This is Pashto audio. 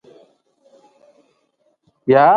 خټکی که وپوخېږي، ژر خرابېږي.